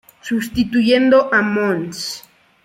Sustituyendo a mons.